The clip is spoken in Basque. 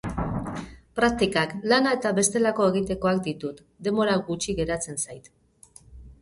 Praktikak, lana eta bestelako egitekoak ditut, denbora gutxi geratzen zait.